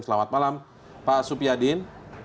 selamat malam pak supyadin